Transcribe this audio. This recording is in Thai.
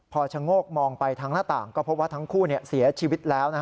พอชะโงกมองไปทางหน้าต่างก็พบว่าทั้งคู่เสียชีวิตแล้ว